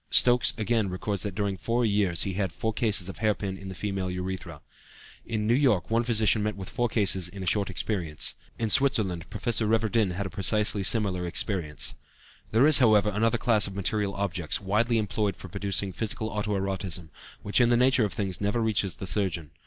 " Stokes, again, records that during four years he had four cases of hair pin in the female urethra. In New York one physician met with four cases in a short experience. In Switzerland Professor Reverdin had a precisely similar experience. There is, however, another class of material objects, widely employed for producing physical auto erotism, which in the nature of things never reaches the surgeon.